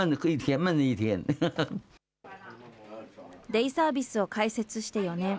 デイサービスを開設して４年。